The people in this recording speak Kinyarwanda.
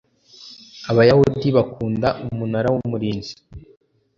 abayahudi bakunda umunara w umurinzi